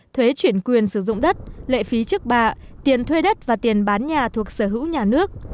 thuế chuyển quyền sử dụng đất lệ phí trước bạ tiền thuê đất và tiền bán nhà thuộc sở hữu nhà nước